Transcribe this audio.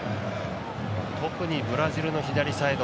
特にブラジルの左サイド